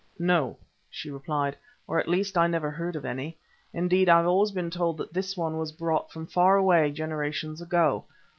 "No," she replied, "or at least I never heard of any. Indeed, I have always been told that this one was brought from far away generations ago.